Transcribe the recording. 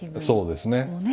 そうですね。